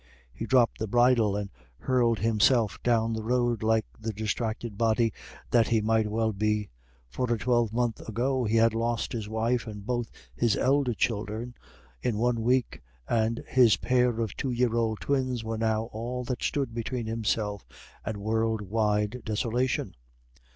He dropped the bridle, and hurled himself down the road like the distracted body that he well might be. For a twelvemonth ago he had lost his wife and both his elder children in one week, and his pair of two year old twins were now all that stood between himself and world wide desolation.